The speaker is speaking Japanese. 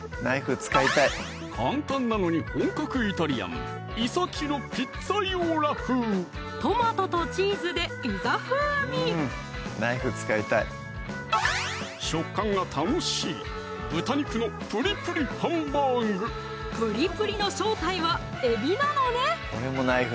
簡単なのに本格イタリアントマトとチーズでピザ風味食感が楽しいぷりぷりの正体はえびなのね！